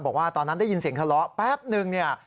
บอกว่าตอนนั้นได้ยินเสียงทะเลาะแป๊บนึงเนี่ย